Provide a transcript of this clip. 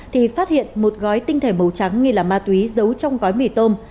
thì phát hiện một gói tinh thể màu trắng nghi là ma túy giấu trong gói mì tôm